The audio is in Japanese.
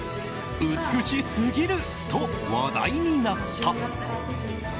美しすぎると話題になった。